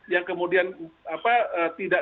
yang kemudian tidak